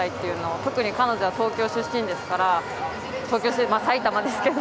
特に彼女は東京出身ですからまあ、埼玉ですけど。